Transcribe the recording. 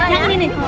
yang merah ya